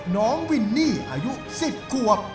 น้องวินนี่อายุ๑๐ขวบ